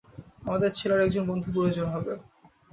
আমাদের ছেলের একজন বন্ধু প্রয়োজন হবে।